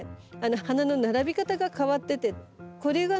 花の並び方が変わっててこれがね